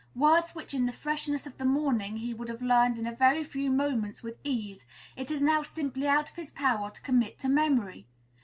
Words which in the freshness of the morning he would have learned in a very few moments with ease, it is now simply out of his power to commit to memory.